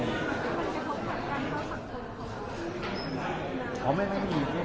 มันจะเข้าผ่านกันหรือเปล่า